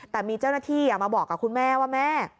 แต่มีเจ้าหน้าที่มาบอกกับคุณแม่ว่าแม่